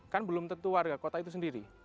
kan belum tentu warga kota itu sendiri